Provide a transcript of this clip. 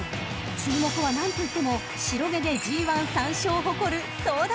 ［注目は何といっても白毛でＧⅠ３勝を誇るソダシ］